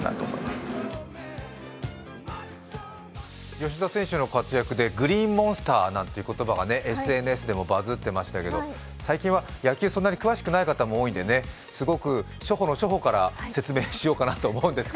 吉田選手の活躍でグリーンモンスターなんて言葉がＳＮＳでもバズってましたけど最近は野球、そんなに詳しくない方も多いんでね、すごく初歩の初歩から説明しようかなと思うんです。